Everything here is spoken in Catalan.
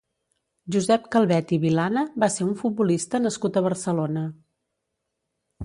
Josep Calvet i Vilana va ser un futbolista nascut a Barcelona.